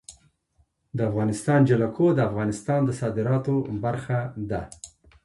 د افغانستان جلکو د افغانستان د صادراتو برخه ده.